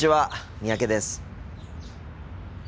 三宅です。